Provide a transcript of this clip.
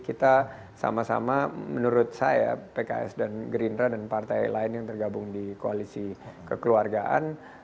kita sama sama menurut saya pks dan gerindra dan partai lain yang tergabung di koalisi kekeluargaan